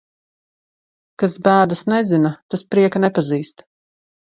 Kas bēdas nezina, tas prieka nepazīst.